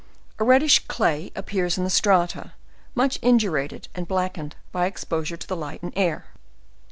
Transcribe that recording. A reddish clay appears in the stfatta, uiuch indurated and blackened by exposure to the light and air.